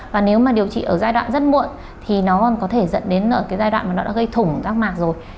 và nếu mà điều trị ở giai đoạn rất muộn thì nó còn có thể dẫn đến ở cái giai đoạn mà nó đã gây thủng rác mạc rồi